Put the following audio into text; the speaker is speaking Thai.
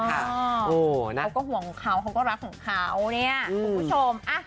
เขาก็หวังของเขาเขาก็รักของเขาเนี่ย